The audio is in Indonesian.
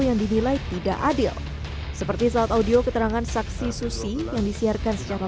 yang dinilai tidak adil seperti saat audio keterangan saksi susi yang disiarkan secara